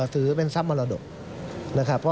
หรือว่าเป็นทรัพย์ส่วนโตที่แบ่งให้ใครที่ฝากมากันตลอด